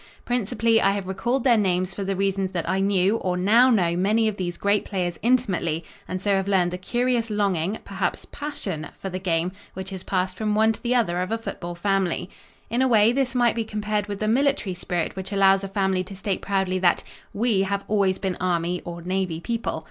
Principally, I have recalled their names for the reason that I knew or now know many of these great players intimately and so have learned the curious longing perhaps "passion" for the game which is passed from one to the other of a football family. In a way this might be compared with the military spirit which allows a family to state proudly that "we have always been Army (or Navy) people."